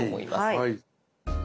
はい。